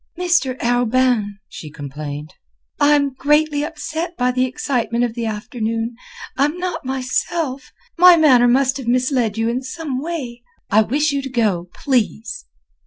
"Mr. Arobin," she complained, "I'm greatly upset by the excitement of the afternoon; I'm not myself. My manner must have misled you in some way. I wish you to go, please."